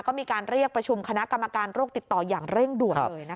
ก็มีการเรียกประชุมคณะกรรมการโรคติดต่ออย่างเร่งด่วนเลย